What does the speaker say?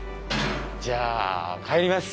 じゃあ帰ります。